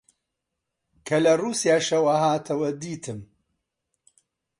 کە لە ڕووسیاشەوە هاتەوە، دیتم